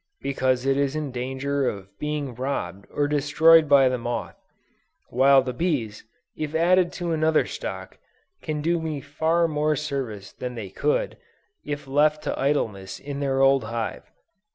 Because it is in danger of being robbed or destroyed by the moth, while the bees, if added to another stock, can do me far more service than they could, if left to idleness in their old hive.